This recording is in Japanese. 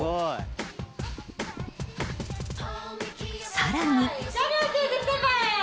さらに